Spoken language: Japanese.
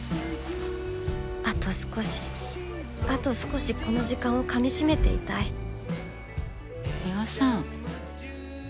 あと少しあと少しこの時間をかみしめていたいミワさん。